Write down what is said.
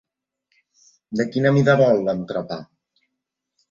De quina mida vol l'entrepà?